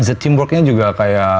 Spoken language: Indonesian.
the teamworknya juga kayak